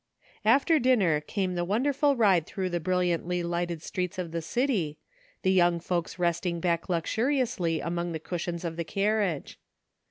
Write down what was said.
After dinner came the wonderful ride through the brilliantly lighted streets of the city, the young folks resting back luxuriously among the cushions of the carriage.